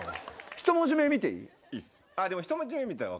１文字目見ていい？